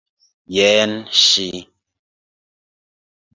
Jen ŝi!